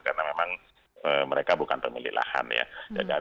karena memang mereka bukan pemilik lahan ya